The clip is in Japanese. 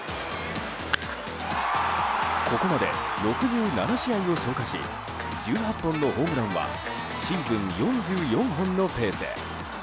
ここまで６７試合を消化し１８本のホームランはシーズン４４本のペース。